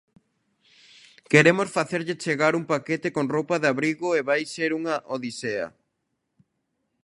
Queremos facerlle chegar un paquete con roupa de abrigo e vai ser unha odisea.